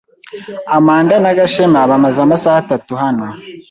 Amanda na Gashema bamaze amasaha atatu hano.